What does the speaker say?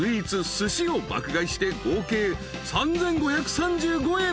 すしを爆買いして合計３，５３５円］